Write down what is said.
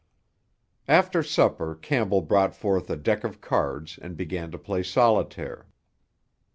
After supper Campbell brought forth a deck of cards and began to play solitaire.